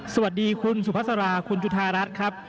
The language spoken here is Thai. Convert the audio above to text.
สวัสดีคุณสุภาษาราคุณจุธารัฐครับ